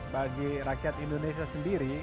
bagi rakyat indonesia sendiri